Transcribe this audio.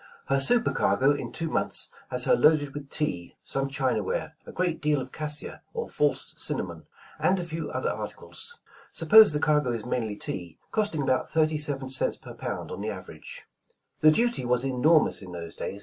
Her super cargo in two months has her loaded with tea, some china ware, a great deal of cassia or false cinnamon, and a few other articles. Suppose the cargo is mainly tea, costing about thirty seven cents per pound on the average. 138 A New Century ''The duty was enormous in those days.